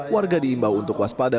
warga diimbau untuk waspada